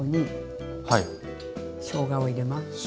しょうがを入れます。